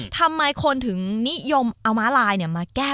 ทำไมคนถึงนิยมเอาม้าลายมาแก้